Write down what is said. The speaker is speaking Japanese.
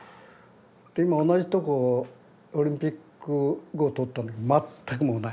で今同じとこをオリンピック後通ったんだけど全くもうない。